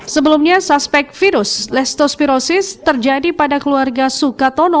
sebelumnya suspek virus lestospirosis terjadi pada keluarga sukatono